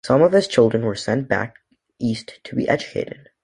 Some of his children were sent back east to be educated.